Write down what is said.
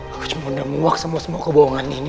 aku cuma udah muak semua semua kebohongan ini